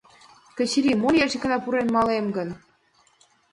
— Качыри, мо лиеш икана пурен малем гын?